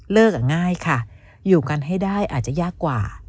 ง่ายค่ะอยู่กันให้ได้อาจจะยากกว่า